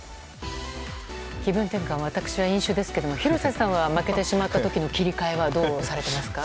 気分転換は私は飲酒ですが廣瀬さんは負けてしまった時の切り替えはどうしていますか？